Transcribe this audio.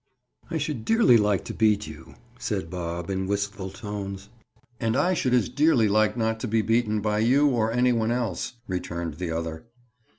"I should dearly like to beat you," said Bob in wistful tones. "And I should as dearly like not to be beaten by you, or any one else," returned the other.